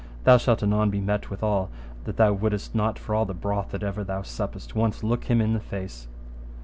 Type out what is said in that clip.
thou shalt anon be met withal, that thou wouldest not for all the broth that ever thou suppest once look him in the face.